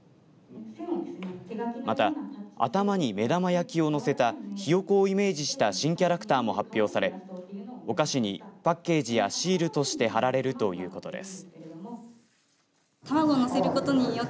また頭に目玉焼きを載せたひよこをイメージした新キャラクターも発表されお菓子にパッケージやシールとして貼られるということです。